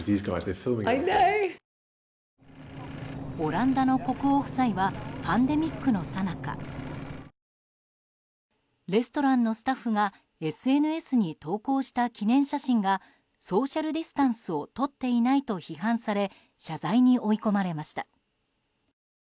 オランダの国王夫妻はパンデミックのさなかレストランのスタッフがＳＮＳに投稿した記念写真がソーシャルディスタンスをとっていないと批判され謝罪に追い込まれました。